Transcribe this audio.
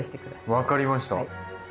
分かりました！